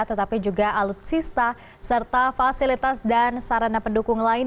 tetapi juga alutsista serta fasilitas dan sarana pendukung lain